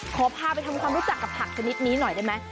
ขอพาไปทำความรู้จักกับผักชนิดนี้หน่อยได้ไหม